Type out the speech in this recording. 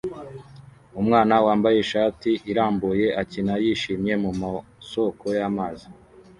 Umwana wambaye ishati irambuye akina yishimye mu masoko y'amazi